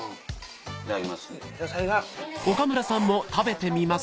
いただきます。